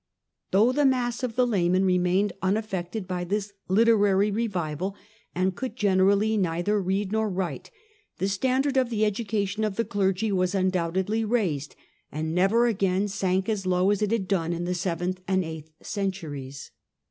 Though the mass of the laymen remained unaffected by this literary revival, and could generally neither read nor write, the standard of the education of the clergy was undoubtedly raised, and never again sank as low as it had done in the seventh and eighth centuries.